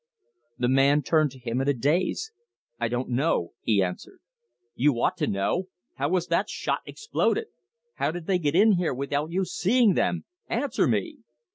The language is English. The man turned to him in a daze. "I don't know," he answered. "You ought to know. How was that 'shot' exploded? How did they get in here without you seeing them? Answer me!"